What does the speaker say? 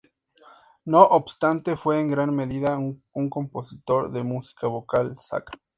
No obstante, fue en gran medida un compositor de música vocal sacra.